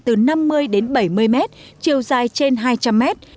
từ năm mươi đến bảy mươi mét chiều dài trên hai trăm linh mét